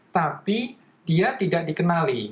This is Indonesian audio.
tapi dia tidak dikenali